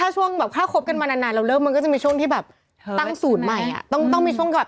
หมวกกันมานานเรื้อก็จะมีช่วงได้อะ